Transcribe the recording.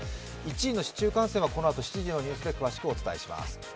１位の市中感染はこのあと７時のニュースで詳しくお伝えします。